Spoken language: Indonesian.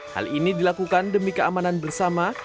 hal ini dilakukan demi keamanan bersama